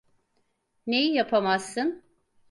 Neyi yapamazsın?